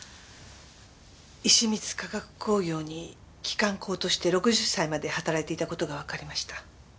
石光化学工業に期間工として６０歳まで働いていた事がわかりました。